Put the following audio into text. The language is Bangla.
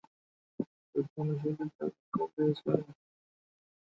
যে দলীলে তার স্বাক্ষর চেয়েছিলেন, সেগুলো কি বেশ গুরুত্বপূর্ণ?